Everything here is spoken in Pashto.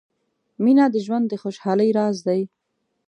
• مینه د ژوند د خوشحالۍ راز دی.